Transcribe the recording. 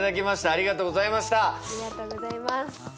ありがとうございます。